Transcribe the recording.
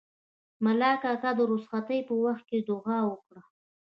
ملا کاکا د رخصتۍ په وخت کې دوعا وکړه.